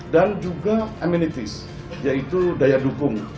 dan juga amenities yaitu daya dukung